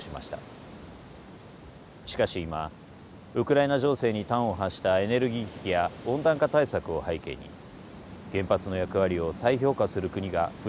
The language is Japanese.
しかし今ウクライナ情勢に端を発したエネルギー危機や温暖化対策を背景に原発の役割を再評価する国が増えてきています。